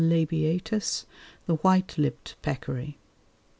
labiatus_, the white lipped peccary.